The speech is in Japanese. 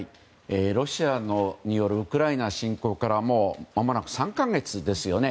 ロシアによるウクライナ侵攻からもうまもなく３か月ですよね。